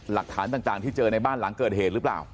หลักฐานต่างที่เจอในบ้านหลังเกิดเหตุหรือเปล่า